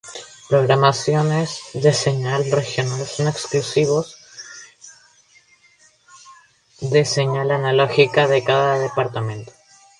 Programaciones de señal regional son exclusivos de señal analógica de cada departamento.